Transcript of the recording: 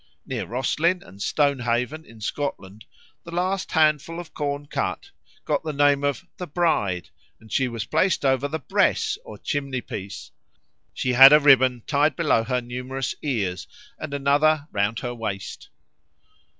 Near Roslin and Stonehaven, in Scotland, the last handful of corn cut "got the name of 'the bride,' and she was placed over the bress or chimney piece; she had a ribbon tied below her numerous ears, and another round her waist."